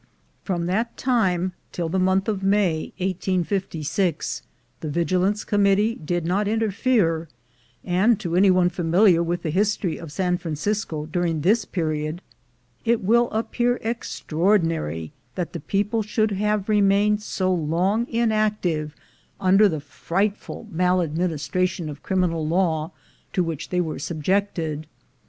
From that time till the month of May, 1856, the Vigilance Committee did not interfere; and to any one familiar with the history of San Francisco during this period, it will appear extraordinary that the people should have remained so long inactive under THE REASON FOR LYNCH LAW 223 the frightful mal admlnistratlon of criminal law to which they were subjected.